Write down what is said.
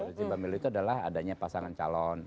rejim pemilu itu adalah adanya pasangan calon